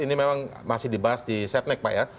ini memang masih dibahas di setnek pak ya